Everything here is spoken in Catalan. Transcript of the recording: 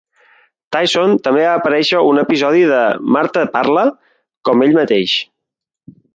Tyson també va aparèixer en un episodi de "Martha parla" com ell mateix.